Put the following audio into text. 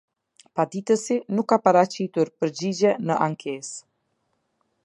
Paditësi nuk ka paraqitur përgjigje në ankesë.